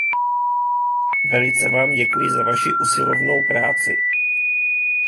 Velice vám děkuji za vaši usilovnou práci.